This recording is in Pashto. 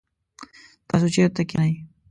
تاسو چیرته کښېنئ؟